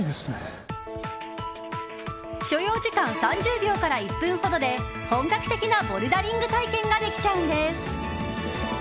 所要時間３０秒から１分ほどで本格的なボルダリング体験ができちゃうんです。